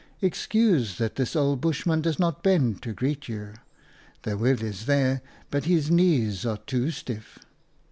Excuse that this old Bushman does not bend to greet you ; the will is there, but his knees are too stiff.